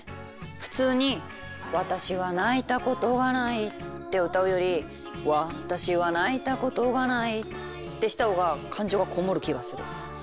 普通に「私は泣いたことがない」って歌うより「私は泣いたことがない」ってしたほうが感情がこもる気がする。